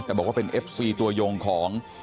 แต่บอกว่าเป็นเอฟซีตัวยงของ